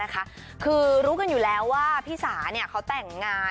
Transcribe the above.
คือรู้กันอยู่แล้วว่า